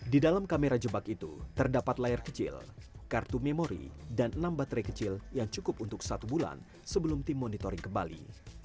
di dalam kamera jebak itu terdapat layar kecil kartu memori dan enam baterai kecil yang cukup untuk satu bulan sebelum tim monitoring kembali